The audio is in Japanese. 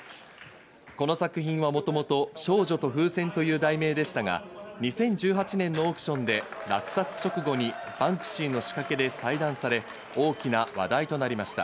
この作品はもともと『少女と風船』という題名でしたが、２０１８年のオークションで落札直後にバンクシーの仕掛けで細断され、大きな話題となりました。